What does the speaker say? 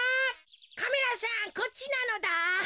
カメラさんこっちなのだ。